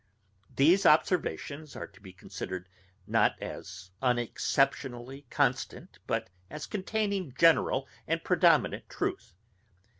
These observations are to be considered not as unexceptionally constant, but as containing general and predominant truth.